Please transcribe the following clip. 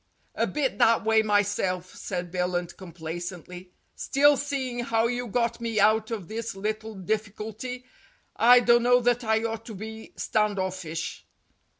"A bit that way myself," said Billunt complacently. "Still, seeing how you got me out of this little diffi culty, I dunno that I ought to be stand offish."